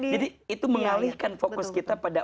jadi itu mengalihkan fokus kita pada